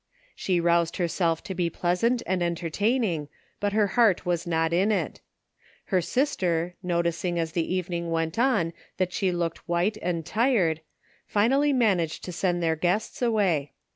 She roused herself to be pleasant and entertaining, but her heart was not in it. Her sister, noticing as the evening went on that she looked white and tired, finally managed to send their guests away.